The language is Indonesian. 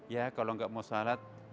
ya kalau enggak mau shalat